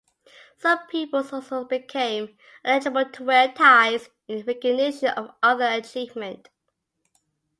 Some pupils also became eligible to wear ties in recognition of other achievement.